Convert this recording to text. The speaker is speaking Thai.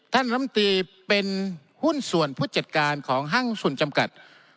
ลำตีเป็นหุ้นส่วนผู้จัดการของห้างส่วนจำกัด